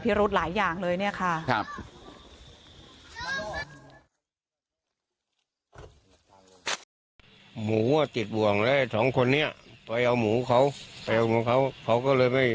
ไปเอาหมูเขาเพราะเขาก็ไม่เป็นไร